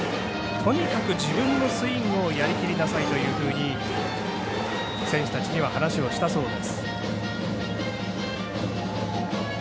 とにかく自分のスイングをやりきりなさいというふうに選手たちには話をしたそうです。